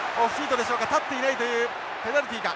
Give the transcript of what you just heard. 立っていないというペナルティか。